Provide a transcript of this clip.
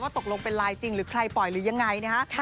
ตกลงเป็นไลน์จริงหรือใครปล่อยหรือยังไงนะฮะ